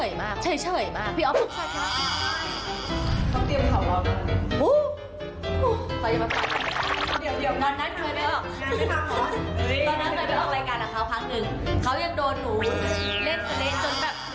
มีใครแจ้งอ่ะมันได้อยู่ตรงนี้แล้วผมก็สมบัติเป็นไปเหมือนฉันอยู่อย่างเงี้ยหรอ